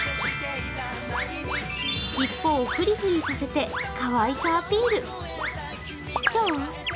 尻尾をふりふりさせてかわいさアピール。